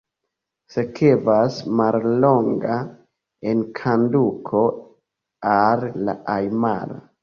Sekvas mallonga enkonduko al la ajmara.